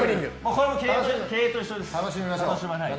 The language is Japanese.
これも経営と一緒です。